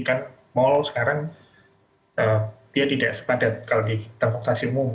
kan mal sekarang dia tidak sepadat kalau di transportasi umum